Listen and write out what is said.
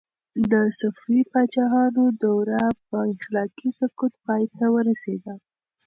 د صفوي پاچاهانو دوره په اخلاقي سقوط پای ته ورسېده.